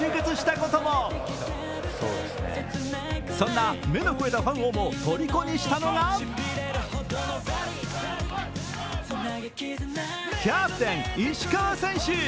そんな目の肥えたファンをもとりこにしたのがキャプテン・石川選手！